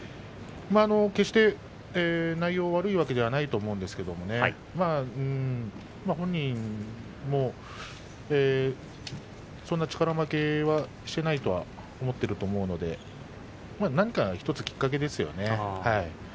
まあ、決して内容が悪いわけではないんですが本人も、そんなに力負けはしてないと思っていると思うので何か１つ、きっかけですよね。